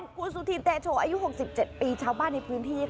คุณสุธินเตโชอายุ๖๗ปีชาวบ้านในพื้นที่